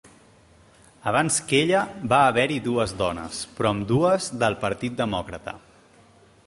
Abans que ella va haver-hi dues dones, però ambdues del Partit Demòcrata.